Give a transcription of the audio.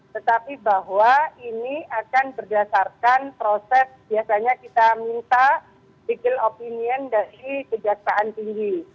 tetapi bahwa ini akan berdasarkan proses biasanya kita minta peak opinion dari kejaksaan tinggi